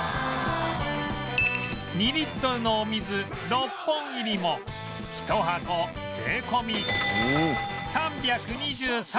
２リットルのお水６本入りも１箱税込３２３円